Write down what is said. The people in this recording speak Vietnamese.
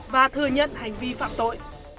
và thừa nhận hành vi phạm tội